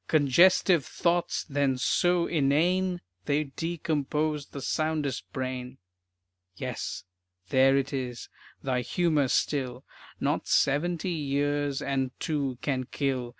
"Congestive thoughts then so inane They'd decompose the soundest brain." Yes, there it is, thy humor still, Not seventy years and two can kill.